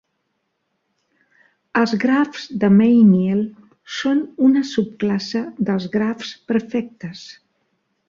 Els grafs de Meyniel són una subclasse dels grafs perfectes.